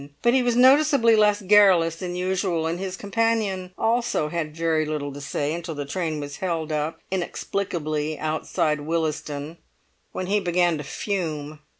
But he was noticeably less garrulous than usual, and his companion also had very little to say until the train was held up inexplicably outside Willesden, when he began to fume.